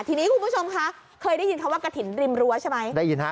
ทีนี้คุณผู้ชมคะเคยได้ยินคำว่ากระถิ่นริมรั้วใช่ไหมได้ยินฮะ